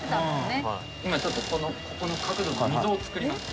今ちょっとここの角度の溝を作ります。